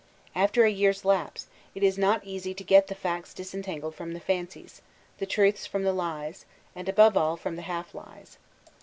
After a year's lapse, it is yet not easy to get the facts disentangled from the fancies,— the truths from the lies, and above all from the half lies.